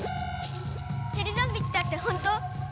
テレゾンビ来たって本当？